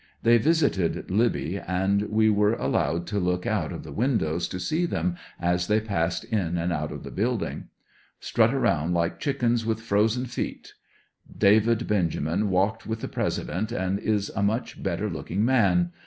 They visited Libby and we were ANDER80NVILLE DIARY, 37 allowed to look out of the windows to see them as they passed in and out of the building. Strut around like chickens with frozen feet. David Benjamin walked with the President and is a mucli better looking man.